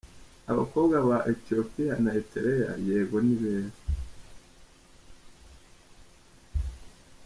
Abakobwa ba Ethiopiya na Erithrea yego ni beza.